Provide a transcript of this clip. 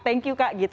thank you kak